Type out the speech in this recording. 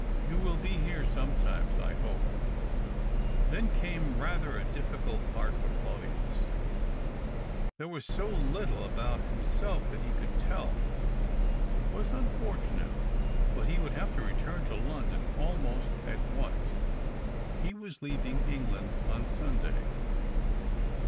You w^U be here sometimes, I hope ?" Then came rather a difficult part for Claudius. There was so very little about himself that he could tell. It was unfortunate, but he would have to return to London almost at once — he was leaving England on Sunday.